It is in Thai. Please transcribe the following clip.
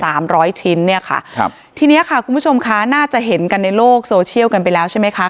ร้อยชิ้นเนี่ยค่ะครับทีเนี้ยค่ะคุณผู้ชมคะน่าจะเห็นกันในโลกโซเชียลกันไปแล้วใช่ไหมคะ